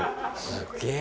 すげえ。